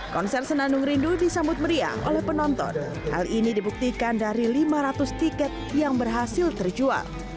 konser senandung rindu disambut meriah oleh penonton hal ini dibuktikan dari lima ratus tiket yang berhasil terjual